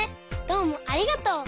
どうもありがとう。